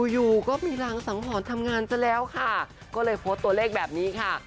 อยู่ก็มีรางสังหรณ์ทำงานซะแล้วค่ะก็เลยโพสต์ตัวเลขแบบนี้ค่ะ